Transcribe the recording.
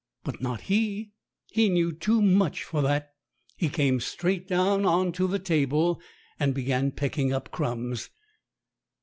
But not he he knew too much for that. He came straight down on to the table, and began pecking up crumbs.